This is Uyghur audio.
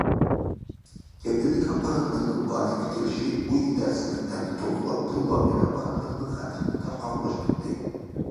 كېپىللىك ئاپپاراتلىرىنىڭ بارلىققا كېلىشى بۇ يېتەرسىزلىكلەرنى تولۇقلاپ، پۇل مۇئامىلە ئاپپاراتلىرىنىڭ خەتىرىنى تارقاقلاشتۇردى.